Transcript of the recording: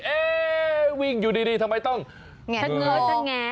เอ๊ะวิ่งอยู่ดีทำไมต้องแงะ